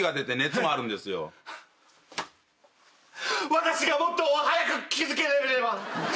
私がもっと早く気付けれれば。